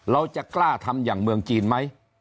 เราจะกล้าทำอย่างเมืองจีนไหม